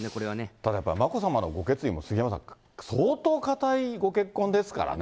ただやっぱり、眞子さまのご決意も、杉山さん、相当固いご結婚ですからね。